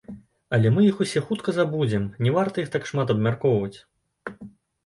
Але мы іх усе хутка забудзем, не варта іх так шмат абмяркоўваць.